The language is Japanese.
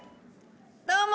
どうも。